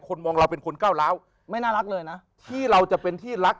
มองเราเป็นคนก้าวร้าวไม่น่ารักเลยนะที่เราจะเป็นที่รัก